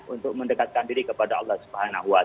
untuk mendekatkan diri kepada allah swt